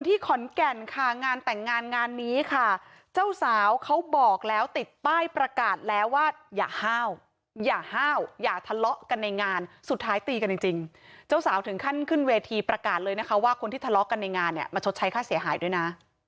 ที่ขอนแก่นค่ะงานแต่งงานงานนี้ค่ะเจ้าสาวเขาบอกแล้วติดป้ายประกาศแล้วว่าอย่าห้าวอย่าห้าวอย่าทะเลาะกันในงานสุดท้ายตีกันจริงเจ้าสาวถึงขั้นขึ้นเวทีประกาศเลยนะคะว่าคนที่ทะเลาะกันในงานเนี่ยมาชดใช้ค่าเสียหายด้วยนะ